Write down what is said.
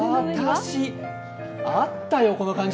私、あったよ、この感情。